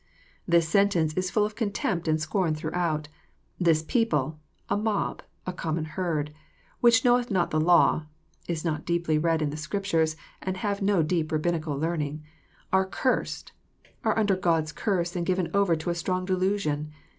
'] This sentence is ftill of contempt and scorn throughout. <<This people,"^a mob,— a common herd, —*' which kuoweth not the law," is not deeply read in the Scriptures, and have no deep Rabbinical learning, —*' are cursed," are under God's curse and given over to a strong delusion.